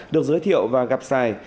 được giới thiệu và gặp xài